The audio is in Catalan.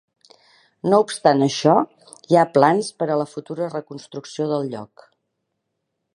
No obstant això, hi ha plans per a la futura reconstrucció del lloc.